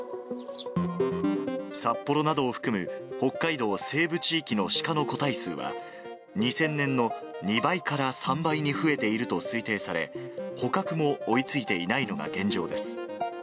札幌などを含む、北海道西部地域のシカの個体数は、２０００年の２倍から３倍に増えていると推定され、捕獲も追いついていないのが現状です。